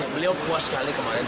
beliau puas sekali kemarin